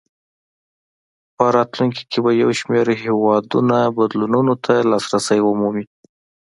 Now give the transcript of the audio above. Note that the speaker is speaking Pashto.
په راتلونکو کې به یو شمېر هېوادونه بدلونونو ته لاسرسی ومومي.